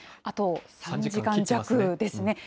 あと３時間弱ですね。